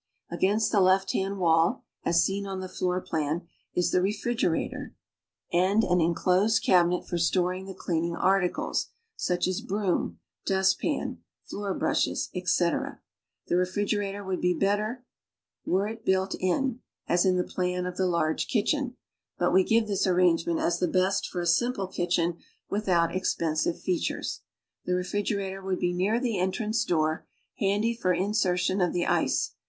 Against the left hand wall (as seen on the floor plan) is the re frigerator and an enclosed cabinet for storing the cleaning articles, such as broom, dust pan, fl(jor brushes, etc. The refrigerator would l>e better were it built in (as in the plan of the large kitch en), but we give this arrangement as the.best for a sim])le kitchen without exjjensive features. The refrigerator would be near the entranc c door, handy for inscrtii)n of the ice.